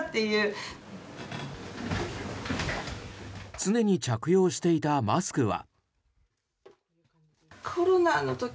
常に着用していたマスクは。